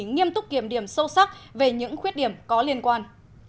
nghiêm túc kiểm điểm sâu sắc về những khuyết điểm có liên quan